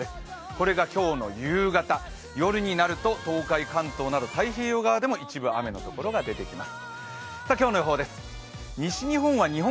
これが今日の夕方、夜になると東海・関東など太平洋側でも一部雨のところが出てきます。